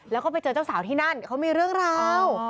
แล้วก็ไปเจอเจ้าสาวที่นั่นเขามีเรื่องราว